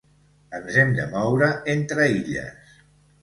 Ens hem de moure entre illes.